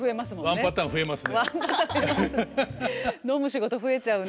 ワンパターン増えます。